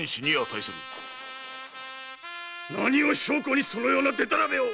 何を証拠にそのようなデタラメを？